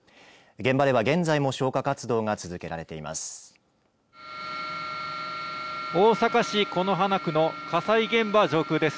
現場では現在も消火活動が続けられています。